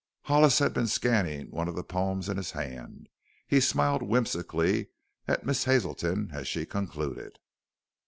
Hollis had been scanning one of the poems in his hand. He smiled whimsically at Miss Hazelton as she concluded.